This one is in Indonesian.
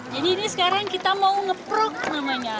jadi ini sekarang kita mau ngeprok namanya